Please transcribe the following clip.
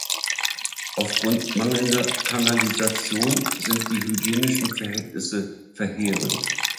Aufgrund mangelnder Kanalisation sind die hygienischen Verhältnisse verheerend.